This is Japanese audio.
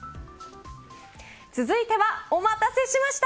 続いては、お待たせしました。